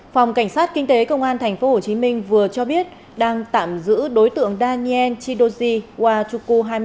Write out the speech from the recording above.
phòng cảnh sát kinh tế công an tp hcm vừa cho biết đang tạm giữ đối tượng daniel chidoji wachuku